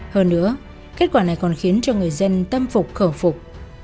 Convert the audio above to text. hơn nữa kết quả này còn khiến cho người dân tâm phục khẩu phục